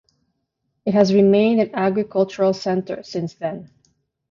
It has remained an agricultural center since then.